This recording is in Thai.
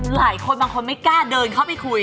หลายคนบางคนไม่กล้าเดินเข้าไปคุย